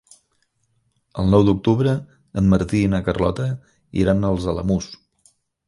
El nou d'octubre en Martí i na Carlota iran als Alamús.